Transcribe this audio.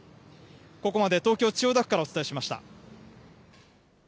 ここまで東京・千代田区からお伝えしました。